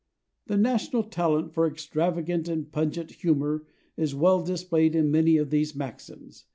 The national talent for extravagant and pungent humor is well displayed in many of these maxims.